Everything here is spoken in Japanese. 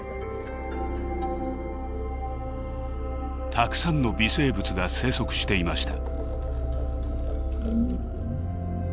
たくさんの微生物が生息していました。